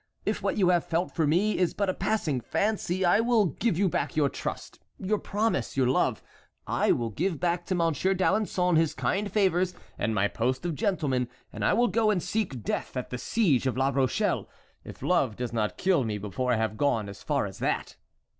If what you have felt for me is but a passing fancy, I will give you back your trust, your promise, your love; I will give back to Monsieur d'Alençon his kind favors and my post of gentleman, and I will go and seek death at the siege of La Rochelle, if love does not kill me before I have gone as far as that."